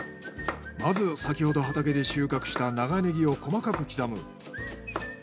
まず先ほど畑で収穫した長ネギを細かく刻む。